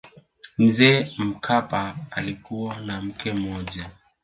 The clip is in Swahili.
mzee mkapa alikuwa na mke mmoja